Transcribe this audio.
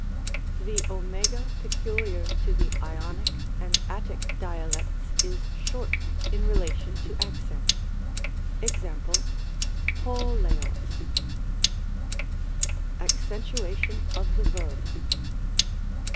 The (o peculiar to the Ionic and Attic dialects is short in relation to accent. jEfc., noXaco^;. ACCENTUATION OF THE VERB.